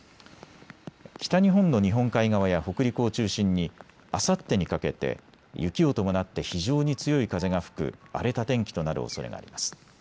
北日本の日本海側や北陸を中心にあさってにかけて雪を伴って非常に強い風が吹く荒れた天気となるおそれがあります。